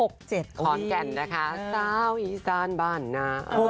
ขอนแก่นนะคะสาวอีสานบ้านนา